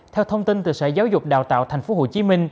theo thông tin từ sở giáo dục đào tạo tp hcm